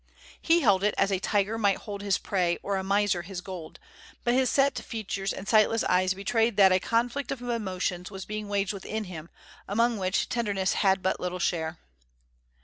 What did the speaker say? He held it as a tiger might hold his prey or a miser his gold, but his set features and sightless eyes betrayed that a conflict of emotions was being waged within him, among which tenderness had but little share.